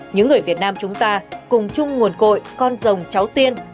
những người việt nam chúng ta cùng chung nguồn cội con rồng cháu tiên